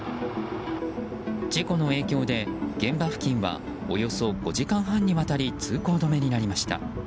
事故の影響で現場付近はおよそ５時間半にわたり通行止めになりました。